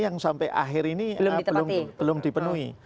yang sampai akhir ini belum dipenuhi